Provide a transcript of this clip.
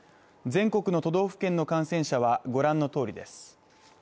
全国の都道府県の感染者は御覧のとおりです。